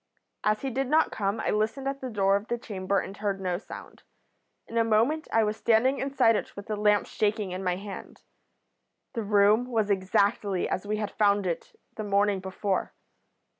As he did not come I listened at the door of the chamber and heard no sound. In a moment I was standing inside it with the lamp shaking in my hand. The room was exactly as we had found it the morning before.